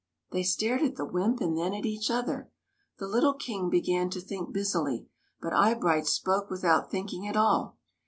They stared at the wymp and then at each other. The little King began to think busily, but Eyebright spoke without thinking at all.